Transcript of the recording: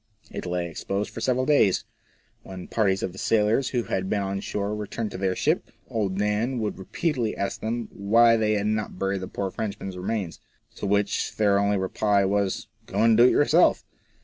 It lay exposed for several days. When parties of the sailors who had been on shore returned to their ship, old Dan would repeatedly ask them why they had not buried the poor Frenchman's remains ? To which their only reply was, " Go and do it yourself."